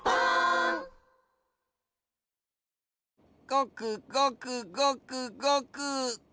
ごくごくごくごく。